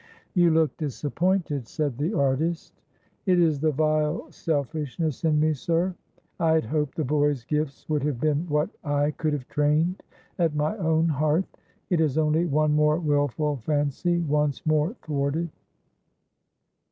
"You look disappointed," said the artist. "It is the vile selfishness in me, sir. I had hoped the boy's gifts would have been what I could have trained at my own hearth. It is only one more wilful fancy, once more thwarted."